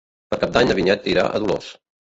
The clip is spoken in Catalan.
Per Cap d'Any na Vinyet irà a Dolors.